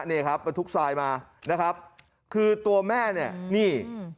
นี่ครับบรรทุกทรายมานะครับคือตัวแม่เนี่ยนี่